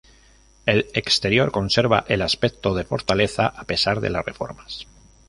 El exterior conserva el aspecto de fortaleza a pesar de las reformas.